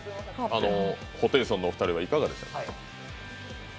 ホテイソンのお二人はいかがでしたか？